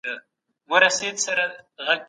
صنعتي ټولني په چټکۍ سره منځ ته راغلې.